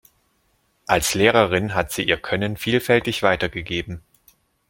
Als Lehrerin hat sie ihr Können vielfältig weitergegeben.